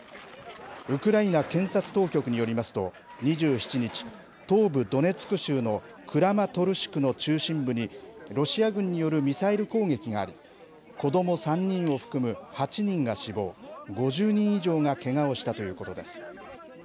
ウクライナ検察当局によりますと、２７日、東部ドネツク州のクラマトルシクの中心部にロシア軍によるミサイル攻撃があり、子ども３人を含む８人が死亡、５０人以上がけがをしたということです。